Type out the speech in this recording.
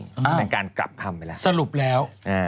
มันเป็นการกลับคำไปแล้วสรุปแล้ว